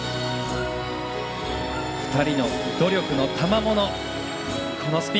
２人の努力のたまもの。